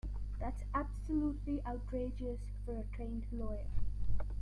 That's absolutely outrageous for a trained lawyer.